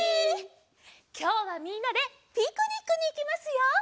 きょうはみんなでピクニックにいきますよ！